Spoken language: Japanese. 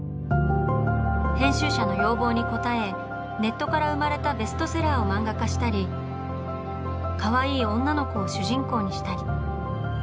編集者の要望に応えネットから生まれたベストセラーを漫画化したりかわいい女の子を主人公にしたり。